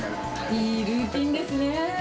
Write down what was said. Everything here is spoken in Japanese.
いいルーティンですね。